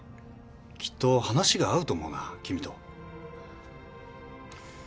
きっと話が合うと思うな君と。